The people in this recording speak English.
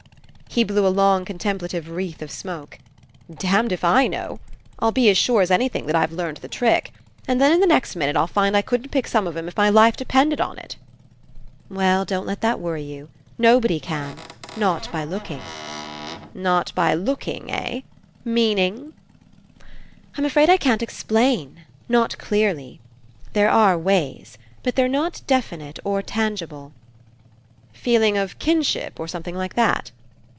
He blew a long contemplative wreath of smoke. "Damned if I know! I'll be as sure as anything that I've learned the trick. And then In the next minute I'll find I couldn't pick some of 'em if my life depended on It." "Well, don't let that worry you. No body can. Not by looking.'* 140 RE ENCOUNTER "Not by looking, eh? Meaning?" "I'm afraid I can't explain. Not clearly. There are ways. But they're not definite or tangible." "Feeling of kinship, or something like that?"